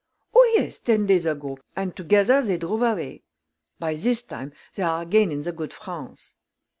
"Oh, yes; ten days ago, and together they drove away. By this time, they are again in the good France."